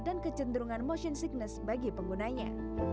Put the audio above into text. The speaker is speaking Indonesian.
dan kecenderungan motion sickness bagi penggunanya